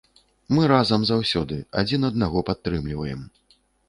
Мы разам заўсёды, адзін аднаго падтрымліваем.